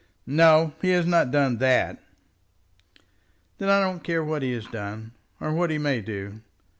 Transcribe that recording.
"No; he has not done that." "Then I don't care what he has done, or what he may do.